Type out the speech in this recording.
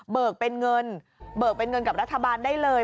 เป็นเงินเบิกเป็นเงินกับรัฐบาลได้เลย